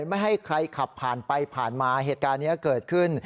ไม่ให้ใครขับผ่านไปผ่านมาเหตุการณ์นี้เกิดขึ้น